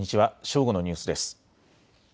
正午のニュースです。